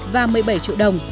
và một mươi bảy triệu đồng